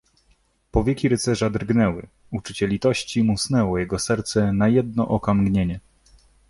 Powieki rycerza drgnęły, uczucie litości musnęło jego serce na jedno okamgnienie.